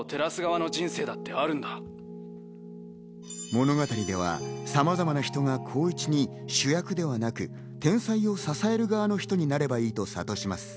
物語ではさまざまな人が光一に主役ではなく、天才を支える側の人になればいいと諭します。